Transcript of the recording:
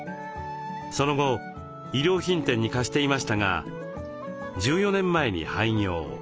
その後衣料品店に貸していましたが１４年前に廃業。